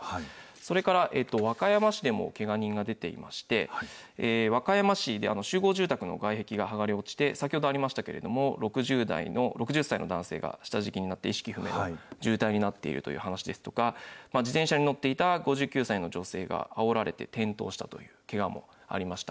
それから和歌山市でもけが人が出ていまして、和歌山市で、集合住宅の外壁が剥がれ落ちて、先ほどありましたけれども、６０歳の男性が下敷きになって意識不明の重体になっているという話ですとか、自転車に乗っていた５９歳の女性があおられて転倒したというけがもありました。